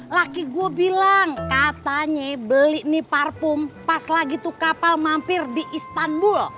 laki gue bilang katanya beli nih parfum pas lagi tuh kapal mampir di istanbul